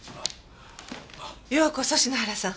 ようこそ篠原さん。